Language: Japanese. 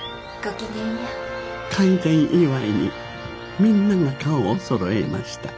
開店祝いにみんなが顔をそろえました。